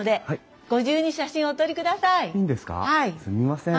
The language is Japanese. すみません。